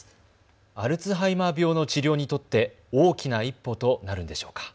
アルツハイマー病の治療にとって大きな一歩となるのでしょうか。